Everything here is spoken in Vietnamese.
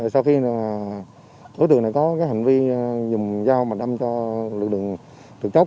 sau khi đối tượng này có hành vi dùng dao bạch âm cho lực lượng trực tốc